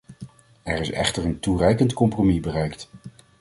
Er is echter een toereikend compromis bereikt.